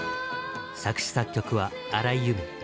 作詞作曲は荒井由実。